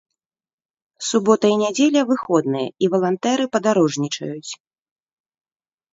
Субота і нядзеля выходныя і валантэры падарожнічаюць.